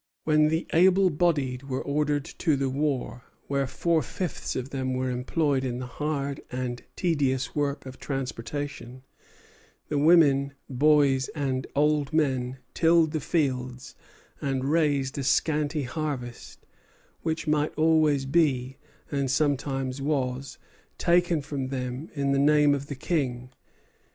When the able bodied were ordered to the war, where four fifths of them were employed in the hard and tedious work of transportation, the women, boys, and old men tilled the fields and raised a scanty harvest, which always might be, and sometimes was, taken from them in the name of the King.